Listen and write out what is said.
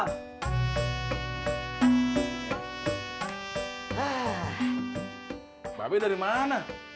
mbak be dari mana